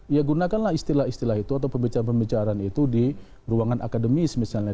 ya gunakanlah istilah istilah itu atau pembicaraan pembicaraan itu di ruangan akademis misalnya